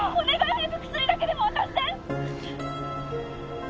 早く薬だけでも渡して！